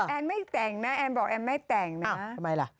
แอนไม่แต่งนะแอนบอกแอนไม่แต่งนะ